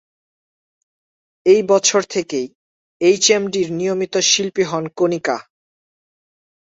এই বছর থেকেই এইচ এম ভি-র নিয়মিত শিল্পী হন কণিকা।